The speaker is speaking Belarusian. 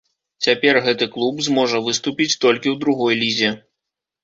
Цяпер гэты клуб зможа выступіць толькі ў другой лізе.